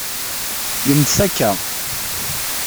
Gemt-t akka.